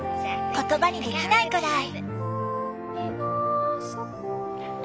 言葉にできないくらい。